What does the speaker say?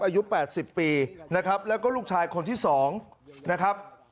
อายุ๘๐ปีนะครับแล้วก็ลูกชายคนที่๒นะครับ